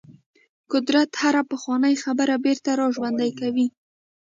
قدرت هره پخوانۍ خبره بیرته راژوندۍ کوي.